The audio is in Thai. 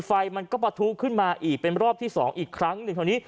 ไฟมันก็ปะทุขึ้นมาอีกเป็นรอบที่๒อีกครั้ง